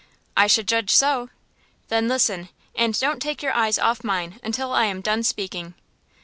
"I should judge so." "Then listen, and don't take your eyes off mine until I am done speaking!"